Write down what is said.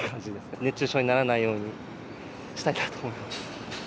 熱中症にならないようにしたいなと思います。